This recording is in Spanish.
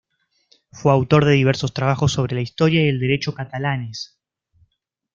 Fue autor de diversos trabajos sobre la historia y el derecho catalanes.